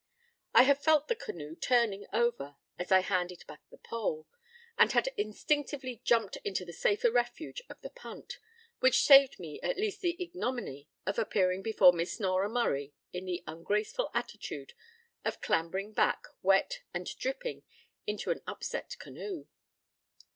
I had felt the canoe turning over as I handed back the pole, and had instinctively jumped into the safer refuge of the punt, which saved me at least the ignominy of appearing before Miss Nora Murray in the ungraceful attitude of clambering back, wet and dripping, into an upset canoe.